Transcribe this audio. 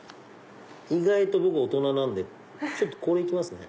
意外と僕大人なんでこれいきますね。